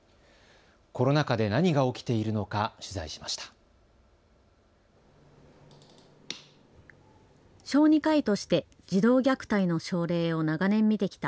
コロナ禍で何が起きているのか取材しました。